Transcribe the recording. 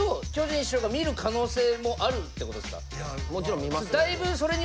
もちろん見ますよ。